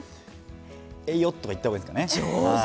えいよ！とか言ったほうがいいんですかね。